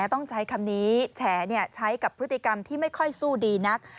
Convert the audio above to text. ต้องใช้คำนี้แฉใช้กับพฤติกรรมที่ไม่ค่อยสู้ดีนัก